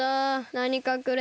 なにかくれ。